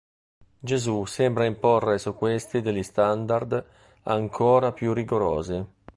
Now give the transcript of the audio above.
Gesù sembra imporre su questi degli standard ancora più rigorosi.